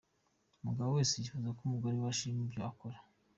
Umugabo wese yifuza ko umugore we ashima ibyo akora .